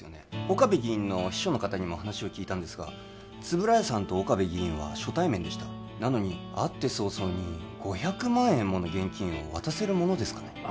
岡部議員の秘書の方にも話を聞いたんですが円谷さんと岡部議員は初対面でしたなのに会って早々に５００万円もの現金を渡せるものですかね？